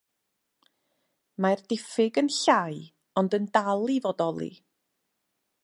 Mae'r diffyg yn llai ond yn dal i fodoli.